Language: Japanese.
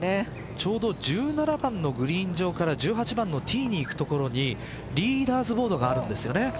ちょうど１７番のグリーン上から１８番のティーに行く所にリーダーズボードがあるんですよね。